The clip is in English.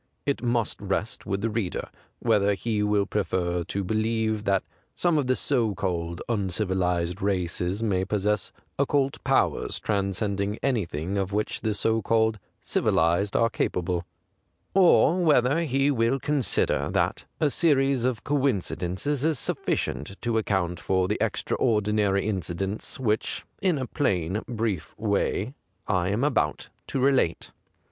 It must rest with the reader whether he will prefer to believe that some of the so called uncivilized i aces may possess occult powers transcending anything of which the so called civilized are capable, or whether he will consider that a series of coincidences is suffi cient to account for the extraordi nary incidents which, in a plain brief way, I am about to relate.